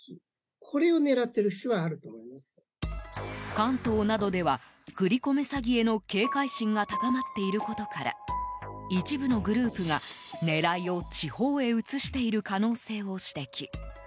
関東などでは振り込め詐欺への警戒心が高まっていることから一部のグループが狙いを地方へ移している可能性を指摘。